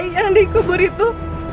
bayi yang dikubur itu